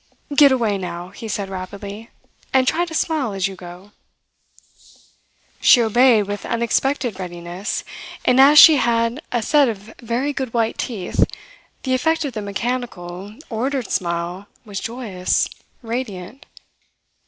"Get away now," he said rapidly, "and try to smile as you go." She obeyed with unexpected readiness; and as she had a set of very good white teeth, the effect of the mechanical, ordered smile was joyous, radiant.